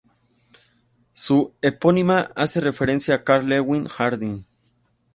Su epónimo hace referencia a Karl Ludwig Harding.